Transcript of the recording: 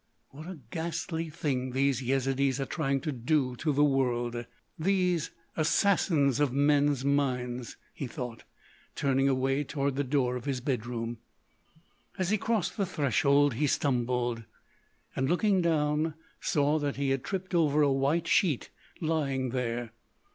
"What a ghastly thing these Yezidees are trying to do to the world—these Assassins of men's minds'!" he thought, turning away toward the door of his bedroom. As he crossed the threshold he stumbled, and looking down saw that he had tripped over a white sheet lying there.